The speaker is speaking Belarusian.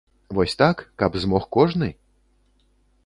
Вось так, каб змог кожны?